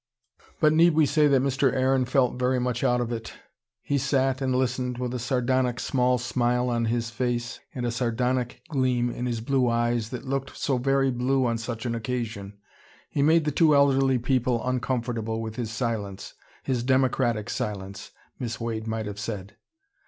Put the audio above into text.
But need we say that Mr. Aaron felt very much out of it. He sat and listened, with a sardonic small smile on his face and a sardonic gleam in his blue eyes, that looked so very blue on such an occasion. He made the two elderly people uncomfortable with his silence: his democratic silence, Miss Wade might have said.